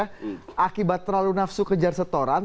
karena akibat terlalu nafsu kejar setoran